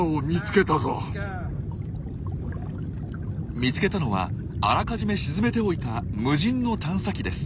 見つけたのはあらかじめ沈めておいた無人の探査機です。